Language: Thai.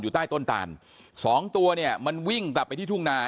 ใต้ต้นตานสองตัวเนี่ยมันวิ่งกลับไปที่ทุ่งนา